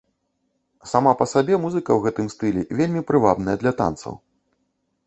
Сама па сабе музыка ў гэтым стылі вельмі прывабная для танцаў.